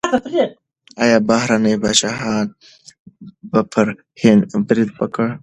ایا بهرني پاچاهان به پر هند برید وکړي؟